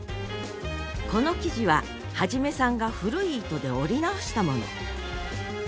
この生地は元さんが古い糸で織り直したもの。